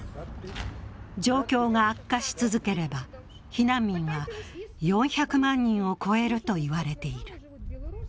状況が悪化し続ければ避難民は４００万人を超えるといわれている。